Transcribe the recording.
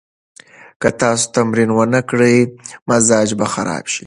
که تاسو تمرین ونه کړئ، مزاج به خراب شي.